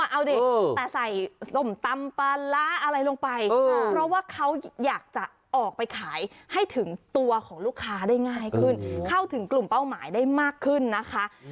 เอาดิแต่ใส่ส้มตำปลาร้าอะไรลงไปเพราะว่าเขาอยากจะออกไปขายให้ถึงตัวของลูกค้าได้ง่ายขึ้นเข้าถึงกลุ่มเป้าหมายได้มากขึ้นนะคะ